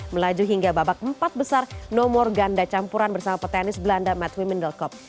melaju hingga babak empat besar nomor ganda campuran bersama petenis belanda matt wimmendelkopp